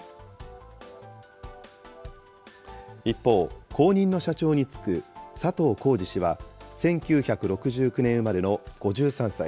一方、後任の社長に就く佐藤恒治氏は、１９６９年生まれの５３歳。